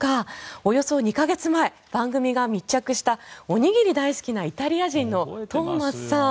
およそ２か月前番組が密着したおにぎり大好きなイタリア人のトーマスさん。